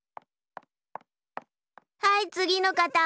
はいつぎのかた。